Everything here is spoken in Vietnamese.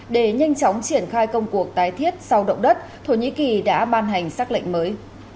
để nhanh chóng triển khai công cuộc tái thiết sau động đất thổ nhĩ kỳ đã ban hành xác lệnh mới